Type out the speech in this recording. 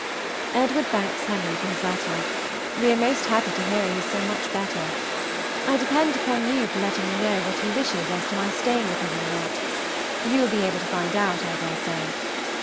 Edward thanks Henry for his letter. We are most happy to hear he is so much better. I depend upon you for letting me know what he wishes as to my staying with him or not; you will be able to find out, I dare say.